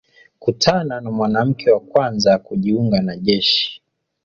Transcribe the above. Kutana na mwanamke wa kwanza kujiunga na Jeshi.